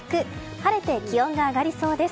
晴れて気温が上がりそうです。